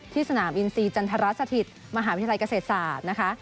สนามอินซีจันทรสถิตมหาวิทยาลัยเกษตรศาสตร์นะคะ